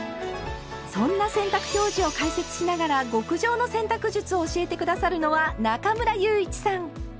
そんな洗濯表示を解説しながら極上の洗濯術を教えて下さるのは中村祐一さん。